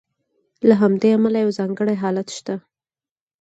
له همدې امله یو ځانګړی حالت شته.